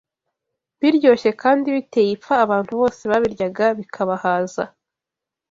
biryoshye kandi biteye ipfa abantu bose babiryaga bikabahaza.